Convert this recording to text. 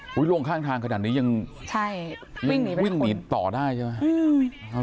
ก็ต้องไล่หุ้ยล่วงข้างทางขนาดนี้ยังใช่วิ่งหนีต่อได้ใช่ไหมอืม